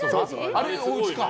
あれは、おうちか。